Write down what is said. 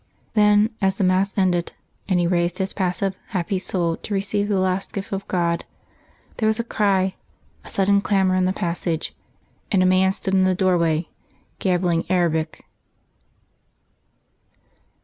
Then, as the mass ended, and he raised his passive happy soul to receive the last gift of God, there was a cry, a sudden clamour in the passage, and a man stood in the doorway, gabbling Arabic.